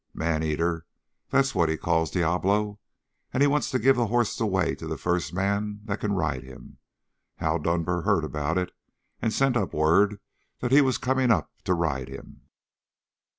Man eater, that's what he calls Diablo, and he wants to give the hoss away to the first man that can ride him. Hal Dunbar heard about it and sent up word that he was coming up to ride him."